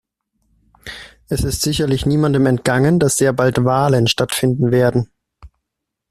Es ist sicherlich niemandem entgangen, dass sehr bald Wahlen stattfinden werden.